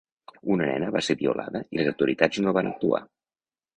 Una nena va ser violada i les autoritats no van actuar.